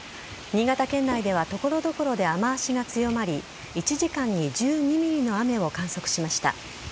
新潟県内では所々で雨脚が強まり１時間に１２ｍｍの雨を観測しました。